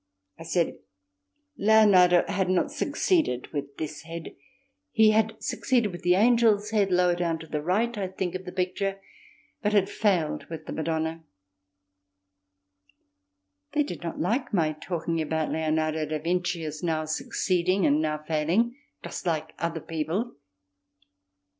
I said Leonardo had not succeeded with this head; he had succeeded with the angel's head lower down to the right (I think) of the picture, but had failed with the Madonna. They did not like my talking about Leonardo Da Vinci as now succeeding and now failing, just like other people.